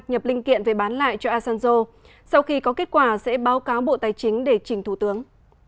nhập linh kiện về bán lại cho asanzo sau khi có kết quả sẽ báo cáo bộ tài chính để trình thủ tướng